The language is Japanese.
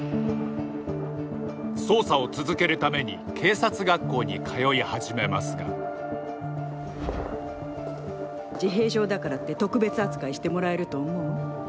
捜査を続けるために警察学校に通い始めますが自閉症だからって特別扱いしてもらえると思う？